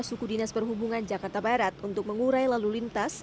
suku dinas perhubungan jakarta barat untuk mengurai lalu lintas